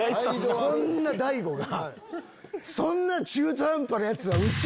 こんな大悟が。